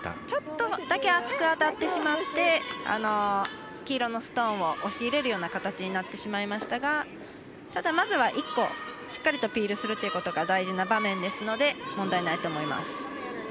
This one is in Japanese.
ちょっとだけ厚く当たってしまって黄色のストーンを押し入れるような形になってしまいましたがただ、まずは１個しっかりとピールすることが大事な場面ですので問題ないと思います。